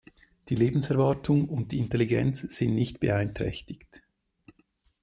Die Lebenserwartung und die Intelligenz sind nicht beeinträchtigt.